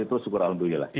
itu syukur allah untuknya lah